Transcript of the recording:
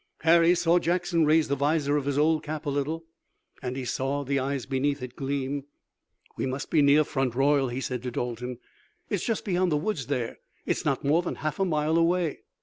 Harry saw Jackson raise the visor of his old cap a little, and he saw the eyes beneath it gleam. "We must be near Front Royal," he said to Dalton. "It's just beyond the woods there. It's not more than half a mile away."